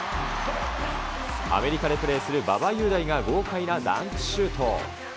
アメリカでプレーする馬場雄大が豪快なダンクシュート。